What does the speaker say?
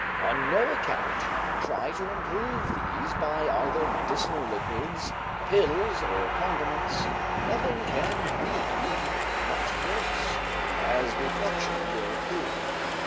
On no account try to improve these by either medicinal liquids, pills, or condiments; nothing can be much worse, as reflection will prove.